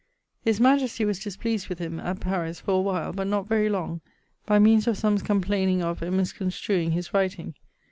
'His majestie was displeased with him' (at Paris) 'for a while, but not very long, by means of some's complayning of and misconstruing his writing.